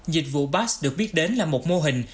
dịch vụ bas được biết đến là một mô hình